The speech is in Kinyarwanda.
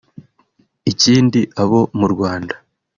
Ikindi abo mu Rwanda